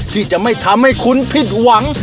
ที่จะไม่ทำให้คุณผิดหวัง